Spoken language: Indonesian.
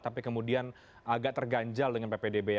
tapi kemudian agak terganjal dengan ppdb yang berada di sekolah